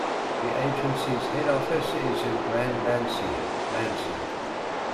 The agency's head office is in Grand-Lancy, Lancy.